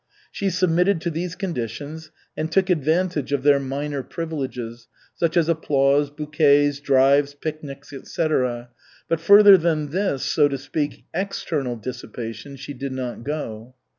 She submitted to these conditions, and took advantage of their minor privileges, such as applause, bouquets, drives, picnics, etc., but further than this so to speak external dissipation, she did not go.